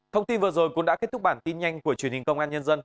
thông tin vừa rồi cũng đã kết thúc bản tin nhanh của truyền hình công an nhân dân